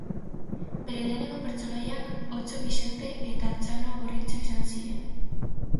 Bere lehenengo pertsonaiak Otso Bixente eta Txano Gorritxo izan ziren.